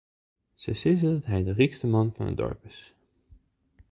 Se sizze dat hy de rykste man fan it doarp is.